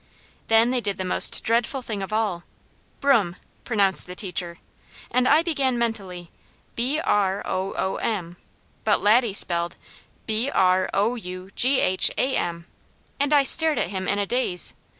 Then they did the most dreadful thing of all. "Broom," pronounced the teacher, and I began mentally, b r o o m, but Laddie spelled "b r o u g h a m," and I stared at him in a daze.